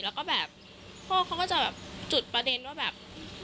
แล้วก็แบบพ่อเขาก็จะแบบจุดประเด็นว่าแบบ